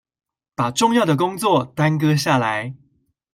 把重要的工作耽擱下來